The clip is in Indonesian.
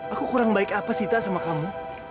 aku kurang baik apa sih ita sama kamu